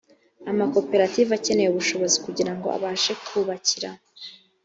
amakoperative akeneye ubushobozi kugira ngo abashe kubakira